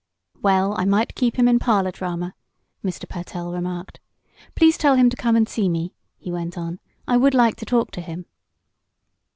"Well, I might keep him in "parlor" drama," Mr. Pertell remarked. "Please tell him to come and see me," he went on. "I would like to talk to him."